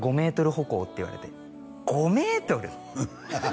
歩行って言われて５メートル！？